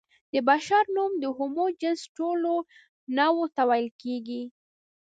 د بشر نوم د هومو جنس ټولو نوعو ته ویل کېږي.